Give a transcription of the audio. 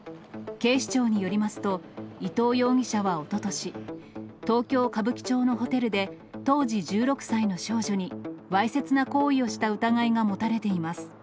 警視庁によりますと、伊藤容疑者はおととし、東京・歌舞伎町のホテルで、当時１６歳の少女に、わいせつな行為をした疑いが持たれています。